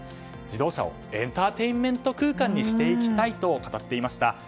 自動車をエンターテインメント空間にしていきたいと語っていました。